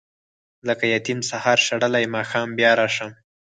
لکه یتیم سهار شړلی ماښام بیا راشم.